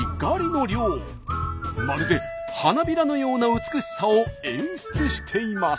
まるで花びらのような美しさを演出しています。